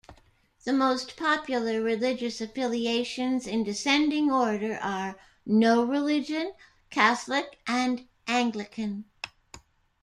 The most popular religious affiliations in descending order are no religion, Catholic and Anglican.